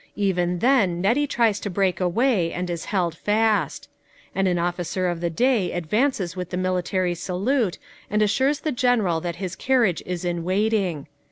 Even then Nettie tries to break away and is held fast. And an officer of the day advances with the military salute and assures the General that his carriage is in waiting.